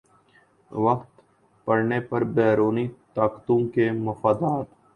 وقت پڑنے پر بیرونی طاقتوں کے مفادات